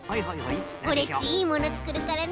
オレっちいいものつくるからね。